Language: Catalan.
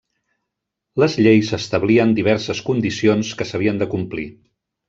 Les lleis establien diverses condicions que s'havien de complir.